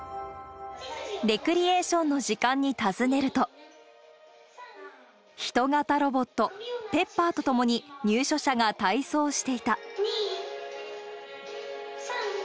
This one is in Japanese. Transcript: レクリエーションの時間に訪ねると、人型ロボット、ペッパーと共に、入所者が体操していた。